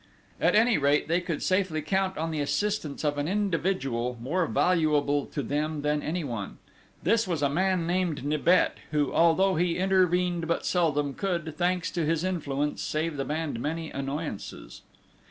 At any rate, they could safely count on the assistance of an individual more valuable to them than anyone; this was a man named Nibet, who although he intervened but seldom, could, thanks to his influence, save the band many annoyances.